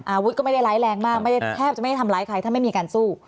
อาวุธก็ไม่ได้ร้ายแรงมากไม่ได้แทบจะไม่ได้ทำร้ายใครถ้าไม่มีการสู้